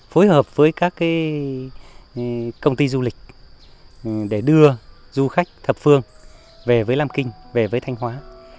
phối hợp với các công ty du lịch để đưa du khách thập phương về với lam kinh về với thanh hóa